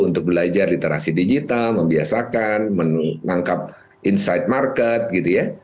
untuk belajar literasi digital membiasakan menangkap insight market gitu ya